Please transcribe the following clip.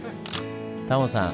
タモさん